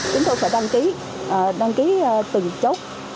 chúng tôi sẽ đăng ký đăng ký từ chốt